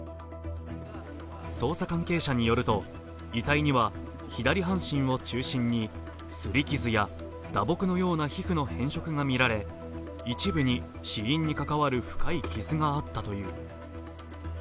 捜査関係者によると、遺体には左半身を中心にすり傷や打撲のような皮膚の変色が見られ一部に死因に関わる深い傷があったという。